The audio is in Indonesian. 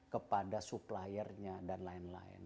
kepada suppliernya dan lain lain